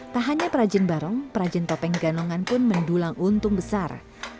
tak hanya perajin barong perajin topeng ganongan pun mendulang untung besar